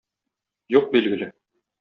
Юк, билгеле.